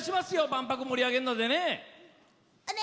万博、盛り上げるの。